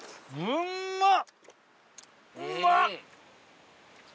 うんまっ！